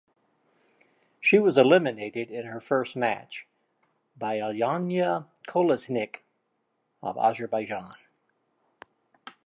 She was eliminated in her first match by Alyona Kolesnik of Azerbaijan.